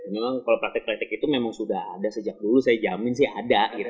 memang kalau praktik praktik itu memang sudah ada sejak dulu saya jamin sih ada